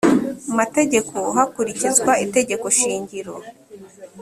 mategeko hakurikizwa itegeko shingiro